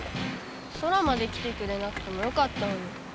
ソラまで来てくれなくてもよかったのに。